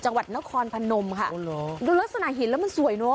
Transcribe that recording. จังหวัดนครพนมค่ะโอ้เหรอดูลักษณะหินแล้วมันสวยเนอ